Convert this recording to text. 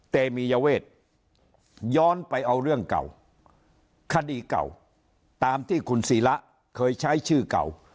เตมียเวทย้อนไปเอาเรื่องเก่าคดีเก่าตามที่คุณศิระเคยใช้ชื่อเก่า